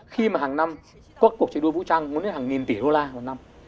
khi mà hàng năm quốc tế đua vũ trang muốn đến hàng nghìn tỷ đô la vào năm